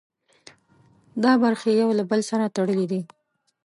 دا برخې یو له بل سره تړلي دي.